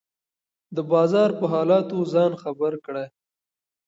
د بازار په حالاتو ځان خبر کړه.